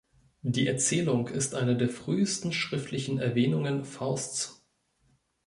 Die Erzählung ist eine der frühesten schriftlichen Erwähnungen Fausts.